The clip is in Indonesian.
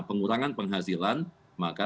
pengurangan penghasilan maka